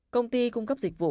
công ty cung cấp dịch vụ